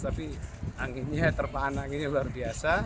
tapi terpaan anginnya luar biasa